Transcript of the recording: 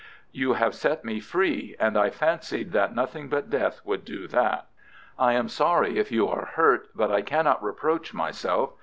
You have set me free, and I fancied that nothing but death would do that. I am sorry if you are hurt, but I cannot reproach myself.